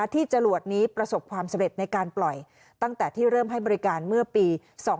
จรวดนี้ประสบความสำเร็จในการปล่อยตั้งแต่ที่เริ่มให้บริการเมื่อปี๒๕๕๙